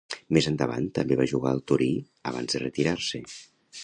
Més endavant també va jugar al Torí abans de retirar-se.